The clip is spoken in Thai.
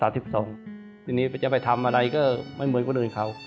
ทีนี้จะไปทำอะไรก็ไม่เหมือนคนอื่นเขา